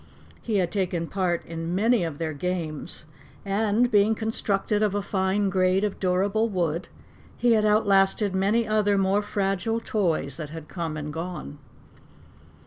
He had taken part in many of their games, and being constructed of a fine grade of durable wood, he had outlasted many other more fragile toys that had come and gone.